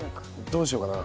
どうしようかな？